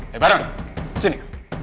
hei barang sini